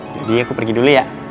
jadi aku pergi dulu ya